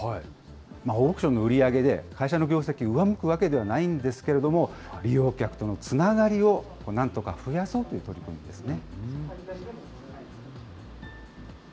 オークションの売り上げで会社の業績、上向くわけではないんですけれども、利用客とのつながりをなんとか増やそうという取り組みですね。